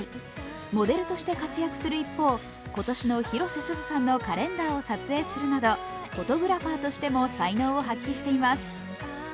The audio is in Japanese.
モデルとして活躍する一方、今年の広瀬すずさんのカレンダーを撮影するなどフォトグラファーとしても才能を発揮しています。